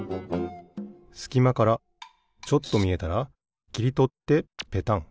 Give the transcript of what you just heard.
すきまからちょっとみえたらきりとってペタン。